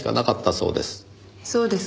そうですか。